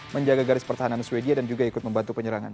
berhasil pertahanan swedia dan juga ikut membantu penyerangan